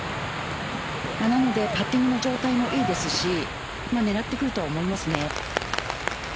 なのでパッティングの状態もいいですし狙ってくると思います。